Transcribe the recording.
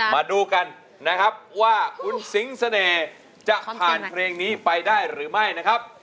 มาดูกันนะครับว่าคุณสิงเสน่ห์จะผ่านเพลงนี้ไปได้หรือไม่นะครับ